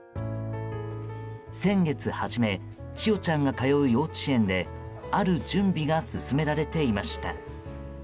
先月初め千与ちゃんが通う幼稚園である準備が進められていました。